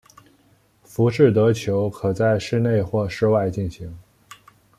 浮士德球可在室内或室外进行。